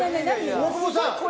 大久保さん